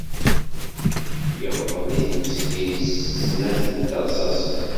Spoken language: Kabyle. Iɣḍel-it meskin s snat teṛṣasin.